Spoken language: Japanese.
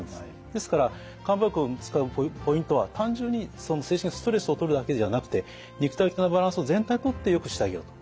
ですから漢方薬を使うポイントは単純に精神的なストレスをとるだけではなくて肉体的なバランスを全体にとってよくしてあげようと。